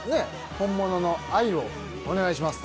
本物の愛をお願いします